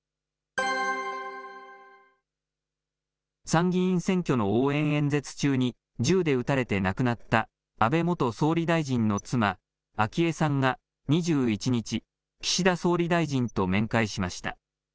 参議院選挙の応援演説中に銃で撃たれて亡くなった安倍元総理大臣の妻、昭恵さんが２１日、岸田総理大臣と面会しました。